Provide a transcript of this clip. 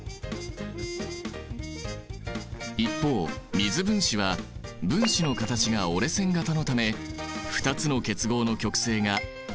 一方水分子は分子の形が折れ線形のため２つの結合の極性が打ち消し合わない。